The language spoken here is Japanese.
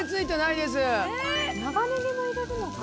長ネギも入れるのか。